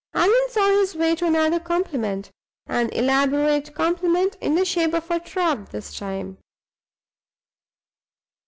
Allan saw his way to another compliment an elaborate compliment, in the shape of a trap, this time.